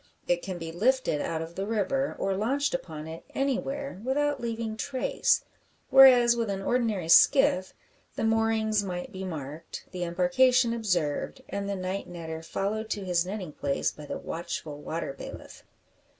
It can be lifted out of the river, or launched upon it anywhere, without leaving trace; whereas with an ordinary skiff the moorings might be marked, the embarkation observed, and the night netter followed to his netting place by the watchful water bailiff.